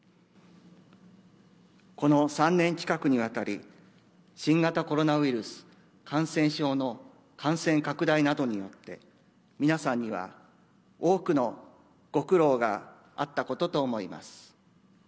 この３年近くにわたり、新型コロナウイルス感染症の感染拡大などによって、皆さんには多くのご苦労があったことと思います。